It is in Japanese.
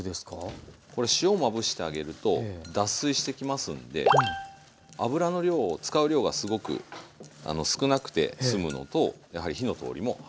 これ塩をまぶしてあげると脱水してきますんで油の量を使う量がすごく少なくて済むのとやはり火の通りも早くなります。